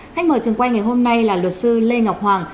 khách mời trường quay ngày hôm nay là luật sư lê ngọc hoàng